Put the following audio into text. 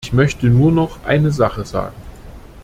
Ich möchte nur noch eine Sache sagen.